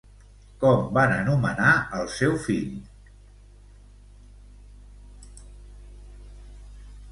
Com van anomenar el seu fill?